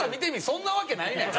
そんなわけないねん。